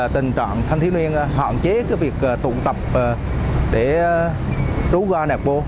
tình trạng thanh thiếu niên hoạn chế việc tụ tập rú ga nạc bô